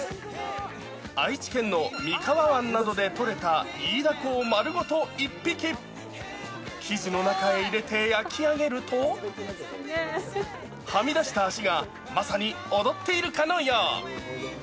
愛知県の三河湾などで取れたイイダコを丸ごと１匹、生地の中へ入れて焼き上げると、はみ出した足が、まさに踊っているかのよう。